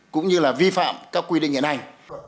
cũng như là vi phạm các quy định hiện hành